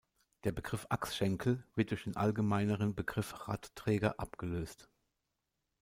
Der Begriff Achsschenkel wird durch den allgemeineren Begriff Radträger abgelöst.